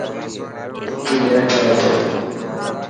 وڪي ليڻ جائي تو.